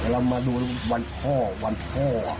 เรามาดูวันพ่อวันพ่อ